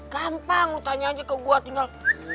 gampang lu tanya aja ke gua tinggal